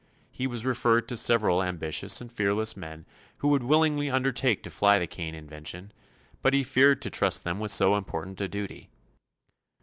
He was referred to several ambitious and fearless men who would willingly undertake to fly the Kane invention, but he feared to trust them with so important a duty.